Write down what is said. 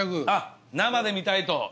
あっ生で見たいと？